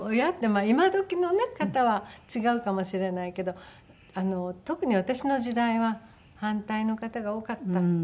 まあ今どきの方は違うかもしれないけど特に私の時代は反対の方が多かったかと思います。